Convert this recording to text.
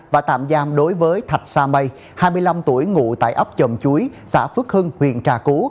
và tạm giam đối với thạch sa mây hai mươi năm tuổi ngụ tại ấp chồng chuối xã phước hưng huyện trà cú